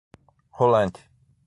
Rolante